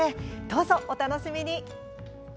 どうぞ、お楽しみに。